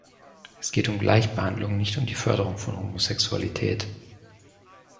Es geht um Gleichbehandlung, nicht um die Förderung von Homosexualität.